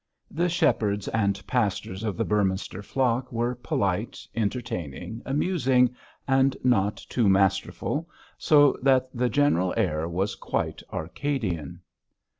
The shepherds and pastors of the Beorminster flock were polite, entertaining, amusing, and not too masterful, so that the general air was quite arcadian.